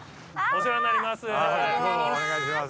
お世話になります。